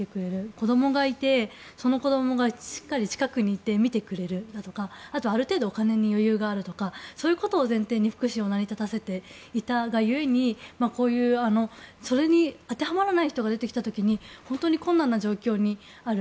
子供がいて、その子供がしっかり近くにいて見てくれるとかある程度お金に余裕があるとかそういうことを前提に福祉を成り立たせていたがゆえにそれに当てはまらない人が出てきた時に本当に困難な状況にある。